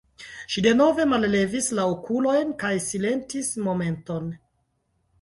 Ŝi denove mallevis la okulojn kaj silentis momenton.